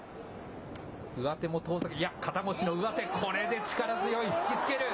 上手も遠ざけ、いや、肩越しの上手、これで力強い、引きつける。